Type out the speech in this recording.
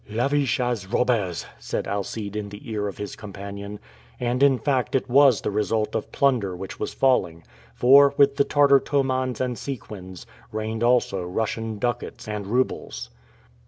"Lavish as robbers," said Alcide in the ear of his companion. And in fact it was the result of plunder which was falling; for, with the Tartar tomans and sequins, rained also Russian ducats and roubles.